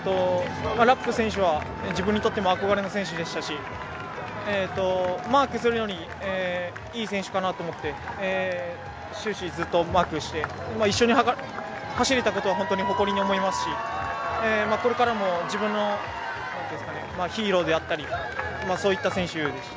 ラップ選手は自分にとっても憧れの選手でしたしマークするのにいい選手かなと思って終始、ずっとマークして一緒に走れたことは誇りに思いますしこれからも自分のヒーローであったり、そういった選手です。